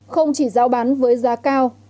không chỉ giao bán với giá cao